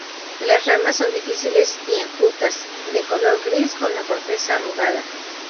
Las ramas son difíciles y enjutas, de color gris con la corteza arrugada.